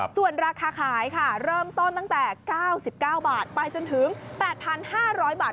ส่วนราคาขายค่ะเริ่มต้นตั้งแต่๙๙บาทไปจนถึง๘๕๐๐บาท